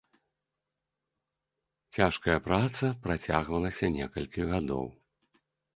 Цяжкая праца працягвалася некалькі гадоў.